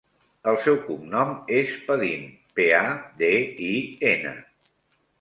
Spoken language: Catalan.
El seu cognom és Padin: pe, a, de, i, ena.